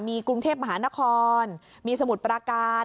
มีกรุงเทพมหานครมีสมุทรปราการ